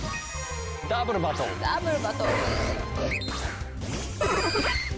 ダブルバトル！